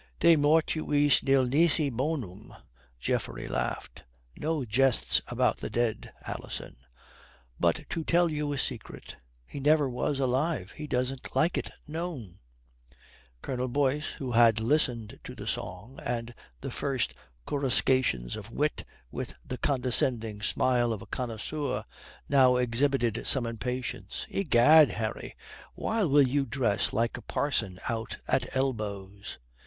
"De mortuis nil nisi bonum," Geoffrey laughed. "No jests about the dead, Alison. But to tell you a secret, he never was alive. He doesn't like it known." Colonel Boyce, who had listened to the song and the first coruscations of wit with the condescending smile of a connoisseur, now exhibited some impatience. "Egad, Harry, why will you dress like a parson out at elbows?"